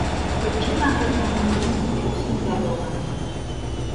Прычына гэтаму, у прынцыпе, усім вядомая.